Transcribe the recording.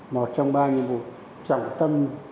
một trong ba nhiệm vụ trọng tâm